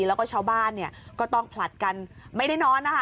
แล้วก็ชาวบ้านเนี่ยก็ต้องผลัดกันไม่ได้นอนนะคะ